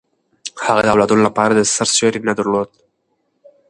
هغه د اولادونو لپاره د سر سیوری نه درلود.